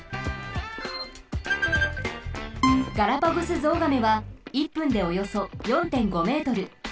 ガラパゴスゾウガメは１分でおよそ４．５ｍ。